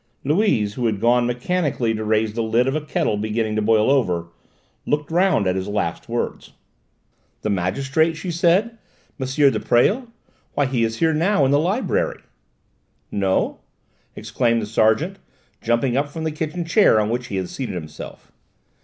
Louise, who had gone mechanically to raise the lid of a kettle beginning to boil over, looked round at his last words. "The magistrate?" she said: "M. de Presles? Why, he is here now in the library." "No?" exclaimed the sergeant, jumping up from the kitchen chair on which he had seated himself.